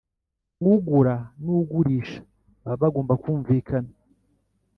ugura nugurisha baba bagomba kumvikana